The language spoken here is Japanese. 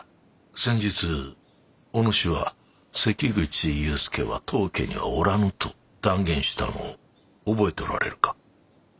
先日お主は関口雄介は当家にはおらぬと断言したのを覚えておられるか？